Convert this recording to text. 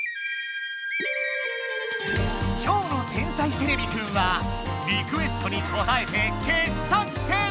今日の「天才てれびくん」はリクエストにこたえて傑作選！